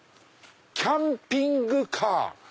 キャンピングカー！